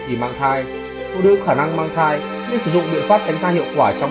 gian điều trị cô nữ có khả năng mang thai nên sử dụng biện pháp tránh thai hiệu quả trong